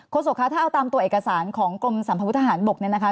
โศกคะถ้าเอาตามตัวเอกสารของกรมสัมภวุฒหารบกเนี่ยนะคะ